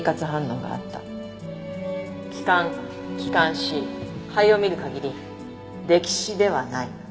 気管気管支肺を見る限り溺死ではない。